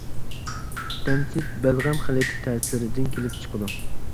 تەمسىز بەلغەم خىلىتى تەسىرىدىن كېلىپ چىقىدۇ.